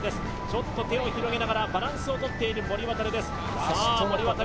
ちょっと手を広げながらバランスをとっている森渉ですさあ森渉